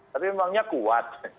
tapi memangnya kuat